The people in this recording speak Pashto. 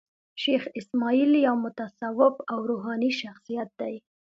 شېخ اسماعیل یو متصوف او روحاني شخصیت دﺉ.